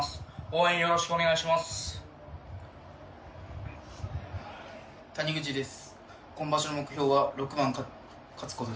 応援よろしくお願いします。